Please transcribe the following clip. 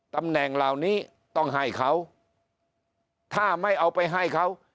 ตำแหน่งเหล่านี้ต้องให้เขาถ้าไม่เอาไปให้เขา